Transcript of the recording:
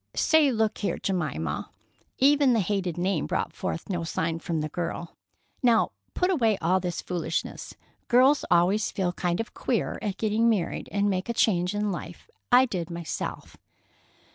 "Say, look here, Jemima"—even the hated name brought forth no sign from the girl—"now put away all this foolishness. Girls always feel kind of queer at getting married and making a change in life. I did, myself."